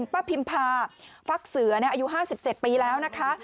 ป้าพิมพาฟักเสืออายุ๕๗ปีแล้วนะคะ